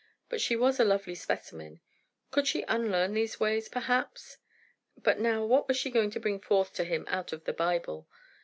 But she was a lovely specimen. Could she unlearn these ways, perhaps? But now, what was she going to bring forth to him out of the Bible?